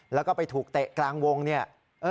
แล้วก็ไปถูกเตะกลางวงเนี่ย